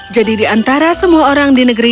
jadi di antara semua orang di negeri